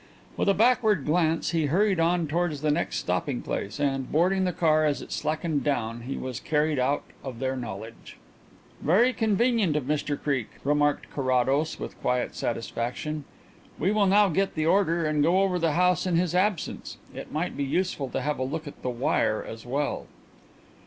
With a backward glance he hurried on towards the next stopping place, and, boarding the car as it slackened down, he was carried out of their knowledge. "Very convenient of Mr Creake," remarked Carrados, with quiet satisfaction. "We will now get the order and go over the house in his absence. It might be useful to have a look at the wire as well."